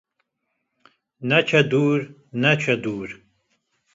Neçe dûr neçe dûr